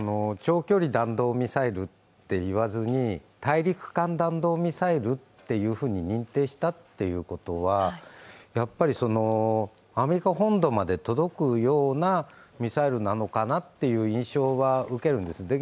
長距離弾道ミサイルと言わずに大陸間弾道ミサイルって認定したっていうことはやっぱりアメリカ本土まで届くようなミサイルなのかなっていう印象は受けるんです。